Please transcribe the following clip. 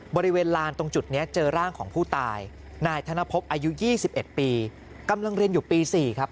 บริเวณลานตรงจุดนี้เจอร่างของผู้ตายนายธนภพอายุ๒๑ปีกำลังเรียนอยู่ปี๔ครับ